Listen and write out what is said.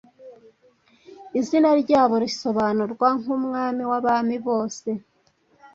Izina ryabo risobanurwa nk'Umwami w'abami bose